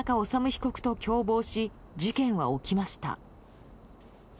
容疑者と共謀し事件は起きました。